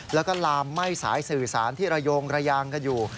แล้วก็ลามไหม้สายสื่อสารที่ระโยงระยางกันอยู่